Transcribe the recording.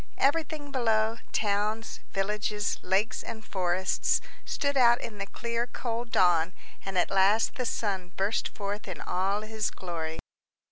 Everything below, towns, villages, lakes, and forests, stood out in the clear cold dawn, and at last the sun burst forth in all his glory.